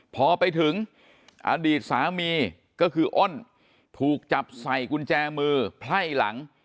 พอไปถึงอดีตสามีก็คืออ้นถูกจับใส่กุญแจมือไพ่หลัง